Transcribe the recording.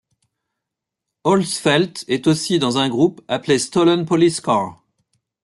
Olsfelt est aussi dans un groupe appelé Stolen Policecar.